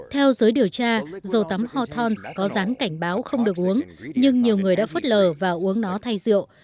theo giới điều tra dầu tắm hothons có dán cảnh báo không được uống nhưng nhiều người đã phất lờ và uống nó thay rượu